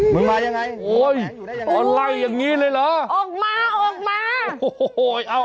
มึงมายังไงเอาไล่อย่างนี้เลยเหรอออกมาออกมา